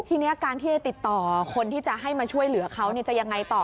ทีนี้การที่จะติดต่อคนที่จะให้มาช่วยเหลือเขาจะยังไงต่อ